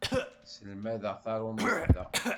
Sselmadeɣ taṛumit da.